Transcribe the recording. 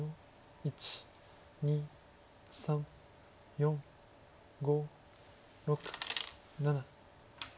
１２３４５６７。